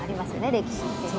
歴史ってね。